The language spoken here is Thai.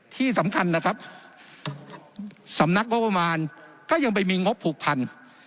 ที่สำคัญนะครับสำนักงบประมาณก็ยังไปมีงบผูกพัน